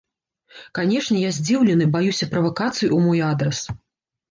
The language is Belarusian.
Канешне, я здзіўлены, баюся правакацый у мой адрас.